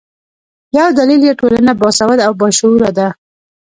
یو دلیل یې ټولنه باسواده او باشعوره ده.